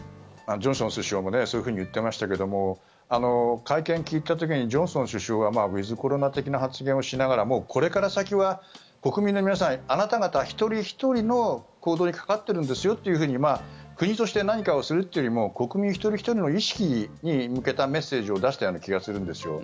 ジョンソン首相もそういうふうに言ってましたけど会見を聞いた時にジョンソン首相はウィズコロナ的な発言をしながらもうこれから先は国民の皆さんあなた方一人ひとりの行動にかかってるんですよというふうに国として何かをするというよりも国民一人ひとりの意識に向けたメッセージを出したような気がするんですよ。